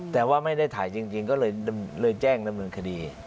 แต่ว่าไม่ได้ถ่ายจริงก็เลยแจ้งดำเนินคดี